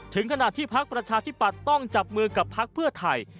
ถึงขณะที่พประชาธิปัตย์ต้องจับมือกับพภไทย